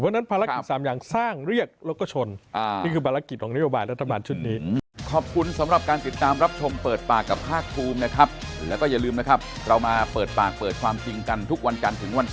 เพราะฉะนั้นภารกิจ๓อย่างสร้างเรียกแล้วก็ชน